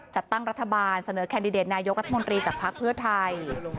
จัดตั้งรัฐบาลเสนอแคนดิเดตนายกรัฐมนตรีจากภักดิ์เพื่อไทย